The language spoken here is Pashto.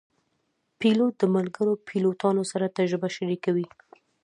پیلوټ د ملګرو پیلوټانو سره تجربه شریکوي.